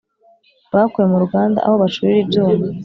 bakuwe mu ruganda aho bacurira ibyuma